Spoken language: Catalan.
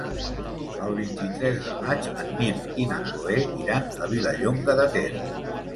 El vint-i-tres de maig en Nil i na Cloè iran a Vilallonga de Ter.